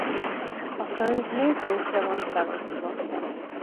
A könyv négy részre van felosztva.